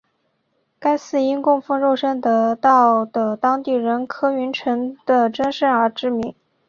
该寺因供奉肉身得道的当地人柯云尘的真身而知名。